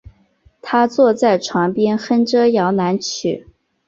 她坐在床边哼着摇篮曲